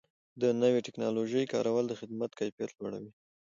د نوې ټکنالوژۍ کارول د خدماتو کیفیت لوړوي.